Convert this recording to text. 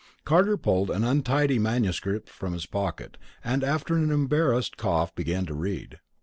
Carter pulled an untidy manuscript from his pocket, and after an embarrassed cough, began to read.